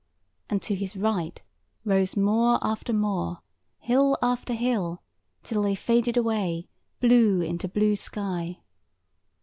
And to his right rose moor after moor, hill after hill, till they faded away, blue into blue sky.